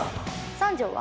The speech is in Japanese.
三条は？